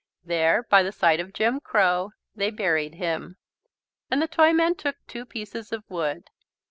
There by the side of Jim Crow they buried him. And the Toyman took two pieces of wood.